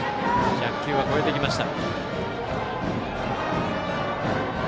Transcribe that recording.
１００球を超えてきました。